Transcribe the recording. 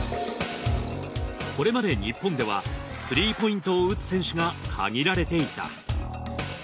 これまで日本では３Ｐを打つ選手が限られていた。